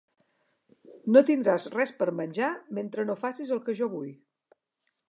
No tindràs res per menjar mentre no facis el que jo vull.